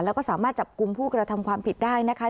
แล้วก็สามารถจับกลุ่มผู้กระทำความผิดได้นะคะ